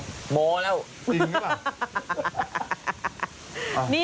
จริงก็แหละ